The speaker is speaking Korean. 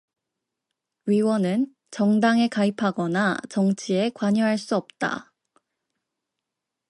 위원은 정당에 가입하거나 정치에 관여할 수 없다.